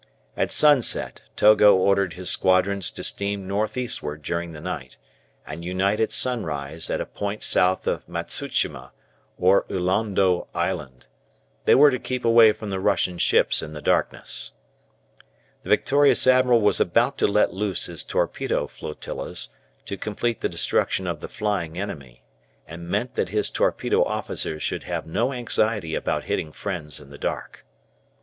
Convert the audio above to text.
At sunset Togo ordered his squadrons to steam north eastward during the night, and unite at sunrise at a point south of Matsu shima or Ullondo Island. They were to keep away from the Russian ships in the darkness. The victorious admiral was about to let loose his torpedo flotillas, to complete the destruction of the flying enemy, and meant that his torpedo officers should have no anxiety about hitting friends in the dark.